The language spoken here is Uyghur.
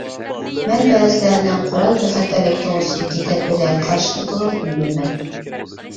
مەن بەزىلەرنىڭ قورال بىخەتەرلىكى توغرىسىدىكى تەبىرلەرگە قارشى تۇرىدىغانلىقىنى بىلىمەن.